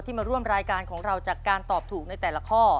มาร่วมรายการของเราจากการตอบถูกในแต่ละข้อ